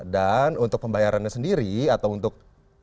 dan untuk pembayarannya sendiri atau untuk